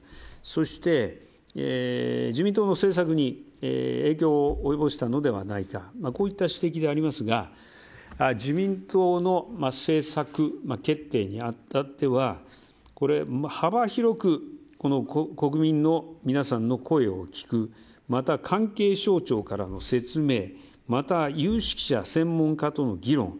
そして、自民党の政策に影響を及ぼしたのではないかこういった指摘でありますが自民党の政策決定に当たっては幅広くこの国民の皆さんの声を聞くまた、関係省庁からの説明また有識者、専門家との議論